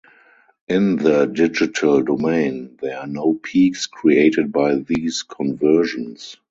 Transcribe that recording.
In the digital domain there are no peaks created by these conversions.